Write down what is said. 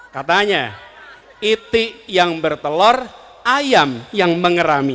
katanya itik yang bertelor ayam yang mengerami